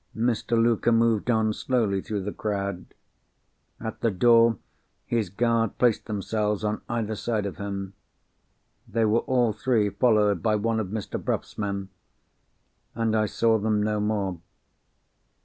Mr. Luker moved on slowly through the crowd. At the door his guard placed themselves on either side of him. They were all three followed by one of Mr. Bruff's men—and I saw them no more.